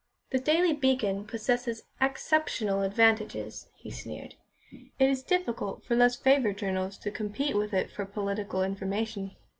"The Daily Beacon possesses exceptional advantages," he sneered. "It is difficult for less favoured journals to compete with it for political information."